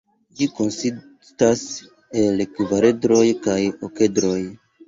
Ĝi konsistas el kvaredroj kaj okedroj.